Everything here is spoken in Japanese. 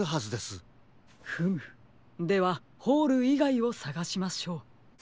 フムではホールいがいをさがしましょう。